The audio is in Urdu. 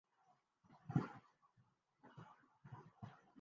اسلام اباد اسحاق ڈار کی کینیڈین سرمایہ کاروں کو سرمایہ کاری کی دعوت